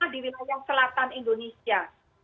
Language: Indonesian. di wilayah selatan indonesia